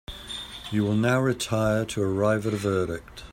You will now retire to arrive at a verdict.